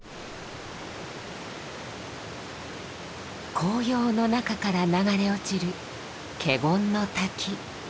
紅葉の中から流れ落ちる華厳の滝。